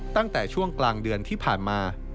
ตั้งแต่ช่วงกลางเดือนที่ผ่านมา